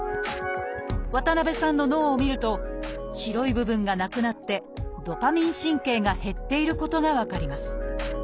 渡辺さんの脳を見ると白い部分がなくなってドパミン神経が減っていることが分かります。